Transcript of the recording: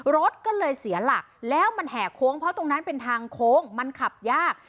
รถก็เลยเสียหลักแล้วมันแห่โค้งเพราะตรงนั้นเป็นทางโค้งมันขับยาก